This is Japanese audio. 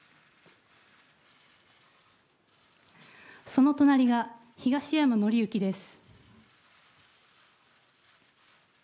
その隣が東山紀之です。